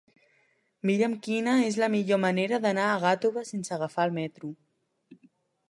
Mira'm quina és la millor manera d'anar a Gàtova sense agafar el metro.